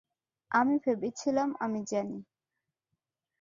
আমি ভেবেছিলাম আমি জানি।